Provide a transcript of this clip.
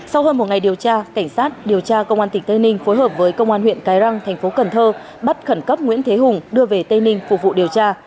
sau hơn một ngày điều tra cảnh sát điều tra công an tỉnh tây ninh phối hợp với công an huyện cái răng thành phố cần thơ bắt khẩn cấp nguyễn thế hùng đưa về tây ninh phục vụ điều tra